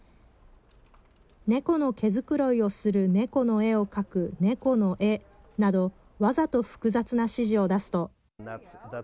猫の毛繕いをする猫の絵を描く猫の絵などわざと複雑な指示を出すと。